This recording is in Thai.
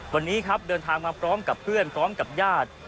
วันนี้ครับเดินทางมาพร้อมกับเพื่อนพร้อมกับญาติ